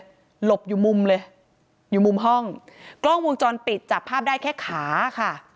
หลบอยู่มุมเลยอยู่มุมห้องกล้องวงจรปิดจับภาพได้แค่ขาค่ะ